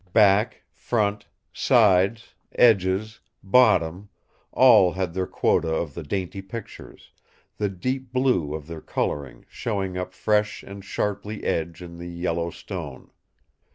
Back, front, sides, edges, bottom, all had their quota of the dainty pictures, the deep blue of their colouring showing up fresh and sharply edged in the yellow stone.